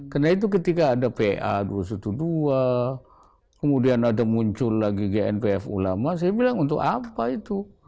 karena itu ketika ada pa dua ratus dua belas kemudian ada muncul lagi gnpf ulama saya bilang untuk apa itu